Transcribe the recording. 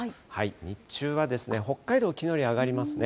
日中は北海道、きのうより上がりますね。